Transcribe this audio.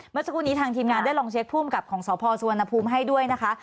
เมื่อสักครู่นี้ทางทีมงานได้ลองเช็คภูมิกับของสพสุวรรณภูมิให้ด้วยนะคะ